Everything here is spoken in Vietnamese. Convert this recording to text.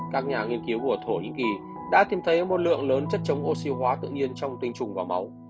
các nhà nghiên cứu của thổ nhĩ kỳ đã tìm thấy một lượng lớn chất chống oxy hóa tự nhiên trong tinh trùng và máu